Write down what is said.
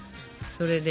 それで。